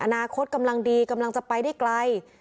อนาคตกำลังดีกำลังจะไปได้ไกล